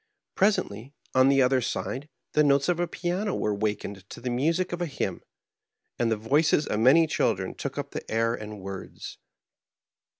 Presently, on the other side, the notes of a piano were wakened to the music of a hymn, and the voices of many children took up the air and words.